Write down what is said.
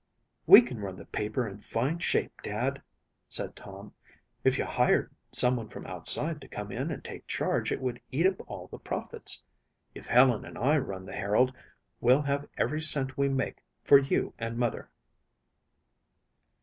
"We can run the paper in fine shape, Dad," said Tom. "If you hired someone from outside to come in and take charge it would eat up all the profits. If Helen and I run the Herald, we'll have every cent we make for you and mother."